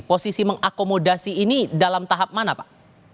posisi mengakomodasi ini dalam tahap mana pak